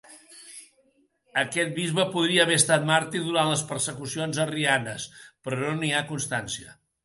Aquest bisbe podria haver estat màrtir durant les persecucions arrianes, però no n'hi ha constància.